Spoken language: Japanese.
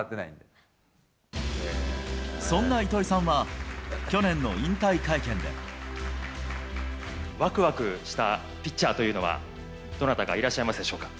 そんな糸井さんは、去年の引わくわくしたピッチャーというのは、どなたかいらっしゃいますでしょうか。